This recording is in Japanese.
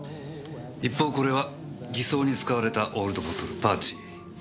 一方これは偽装に使われたオールドボトル「パーチー」。